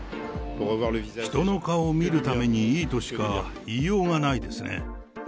人の顔を見るためにいいとしか言いようがないですね。